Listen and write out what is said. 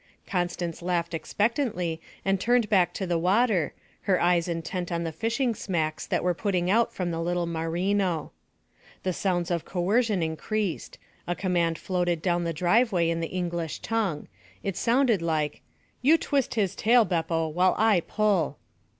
Constance laughed expectantly and turned back to the water, her eyes intent on the fishing smacks that were putting out from the little marino. The sounds of coercion increased; a command floated down the driveway in the English tongue. It sounded like: 'You twist his tail, Beppo, while I pull.'